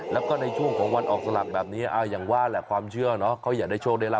แล้วก็ในช่วงของวันออกสลักแบบนี้อย่างว่าแหละความเชื่อเนอะเขาอยากได้โชคได้รา